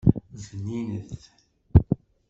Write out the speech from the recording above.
Bninet.